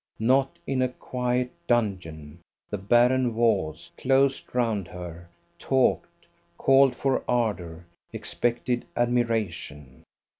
not in a quiet dungeon; the barren walls closed round her, talked, called for ardour, expected admiration.